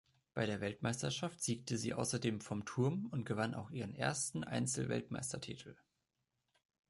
Bei der Weltmeisterschaft siegte sie außerdem vom Turm und gewann auch ihren ersten Einzel-Weltmeistertitel.